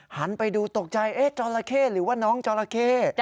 หันไปดูตกใจจอละเข้หรือว่าน้องจราเข้